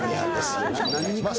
よろしくお願いします。